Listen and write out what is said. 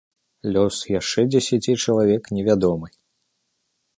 Лёс яшчэ дзесяці чалавек невядомы.